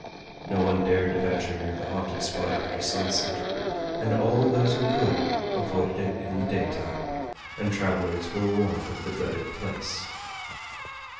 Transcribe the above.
No one dared to venture near the haunted spot after sunset, and all those who could, avoided it in the daytime, and travelers were warned of the dreaded place.